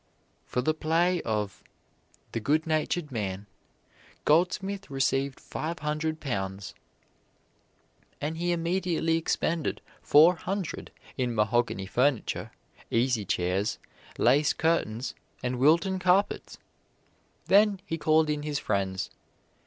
For the play of "The Good Natured Man" Goldsmith received five hundred pounds. And he immediately expended four hundred in mahogany furniture, easy chairs, lace curtains and Wilton carpets. Then he called in his friends.